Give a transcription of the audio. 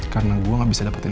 karena gue gak bisa dapetin